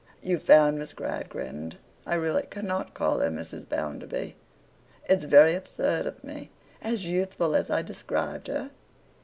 'You found Miss Gradgrind—I really cannot call her Mrs. Bounderby; it's very absurd of me—as youthful as I described her?